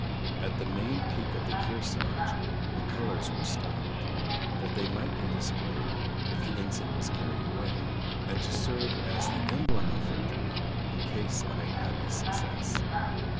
At the main peak of the Kearsarge the colors were stopped, that they might be displayed if the ensign was carried away, and to serve as the emblem of victory in case of a happy success.